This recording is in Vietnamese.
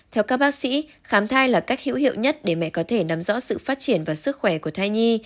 theo các bác sĩ khám thai là cách hữu hiệu nhất để mẹ có thể nắm rõ sự phát triển và sức khỏe của thai nhi